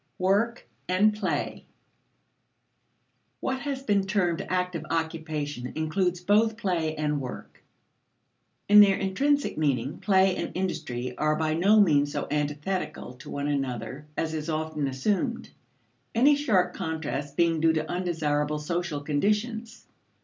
Work and Play. What has been termed active occupation includes both play and work. In their intrinsic meaning, play and industry are by no means so antithetical to one another as is often assumed, any sharp contrast being due to undesirable social conditions.